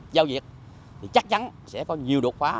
giao việc thì chắc chắn sẽ có nhiều đột phá